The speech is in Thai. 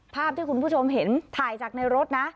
ภาพที่คุณผู้ชมเห็นถ่ายจากในรถนะ